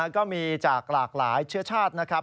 ก็มีจากหลากหลายเชื้อชาตินะครับ